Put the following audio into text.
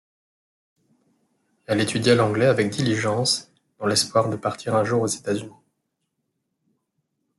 Elle étudia l'anglais avec diligence dans l'espoir de partir un jour aux États-Unis.